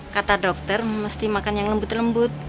kata dokter mesti makan yang lembut lembut